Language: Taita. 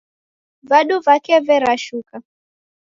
Vadu vake verashuka